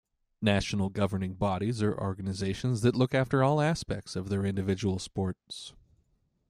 National Governing Bodies are organizations that look after all aspects of their individual sports.